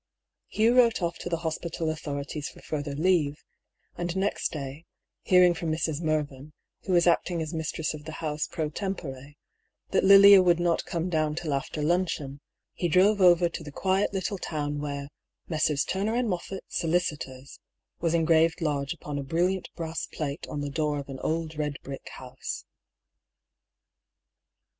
THE LOCKET. HI Hugh wrote ofE to the hospital authorities for further leave ; and next day, hearing from Mrs. Mervyn, who was acting as mistress of the house pro teni,^ that Lilia would not come down till after luncheon, he drove over to the quiet little town where "Messrs. Turner and Moffatt, solicitors," was engraved large upon a brilliant brass plate on the door of an old red brick house.